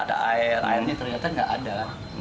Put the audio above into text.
ada air airnya ternyata nggak ada